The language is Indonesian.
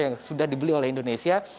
yang sudah dibeli oleh indonesia